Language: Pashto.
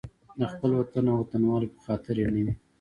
د خپل وطن او وطنوالو په خاطر یې نه وي.